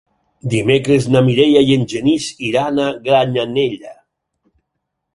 Dimecres na Mireia i en Genís iran a Granyanella.